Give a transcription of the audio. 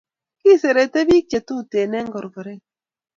Kiserete pik che tuten enkorkoret